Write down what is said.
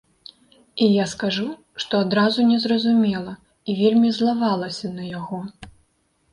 І я скажу, што адразу не разумела і вельмі злавалася на яго.